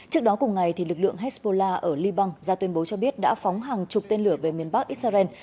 trước đó cùng ngày lực lượng hezbollah ở liban ra tuyên bố cho biết đã phóng hàng chục tên lửa về miền bắc israel